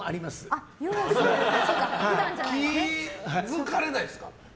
気づかれないですか？